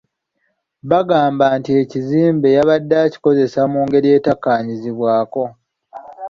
Bagamba nti ekizimbe yabadde akikozeseza mu ngeri etakkaanyizibwako.